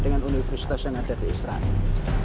dengan universitas yang ada di israel